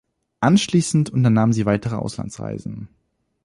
Anschließend unternahm sie weitere Auslandsreisen.